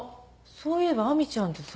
そういえば亜美ちゃんってさ。